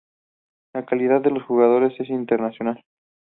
La calidad de los jugadores es "internacional".